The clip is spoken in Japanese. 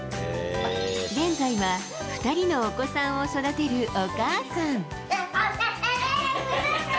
現在は２人のお子さんを育てるお母さん。